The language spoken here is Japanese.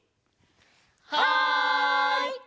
はい！